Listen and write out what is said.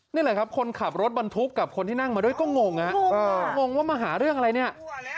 นี่แหละครับคนขับรถบรรทุกกับคนที่นั่งมาด้วยก็งงฮะงงว่ามาหาเรื่องอะไรเนี่ย